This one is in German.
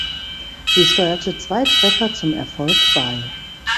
Sie steuerte zwei Treffer zum Erfolg bei.